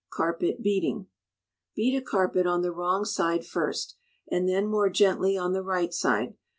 Carpet Beating. Beat a carpet on the wrong side first; and then more gently on the right side.